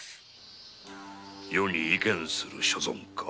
余に意見する所存か？